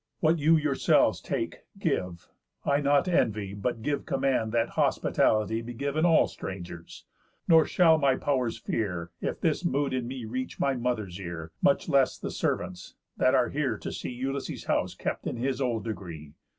What you yourselves take, give; I not envy, But give command that hospitality Be giv'n all strangers. Nor shall my pow'rs fear, If this mood in me reach my mother's ear; Much less the servants', that are here to see Ulysses' house kept in his old degree.